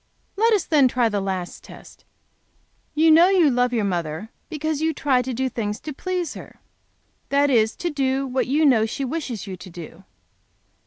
"Let us then try the last test. You know you love your mother because you try to do things to please her. That is to do what you know she wishes you to do?